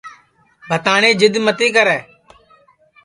بھتاٹؔیں جِد متی کرے